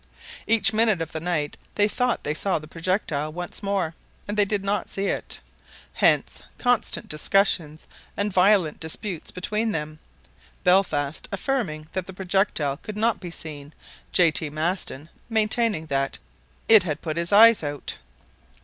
Each minute of the night they thought they saw the projectile once more, and they did not see it. Hence constant discussions and violent disputes between them, Belfast affirming that the projectile could not be seen, J. T. Maston maintaining that "it had put his eyes out."